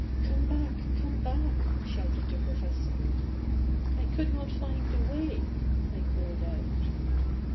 "Come back; come back," shouted the professor. "I could not find the way," I called out.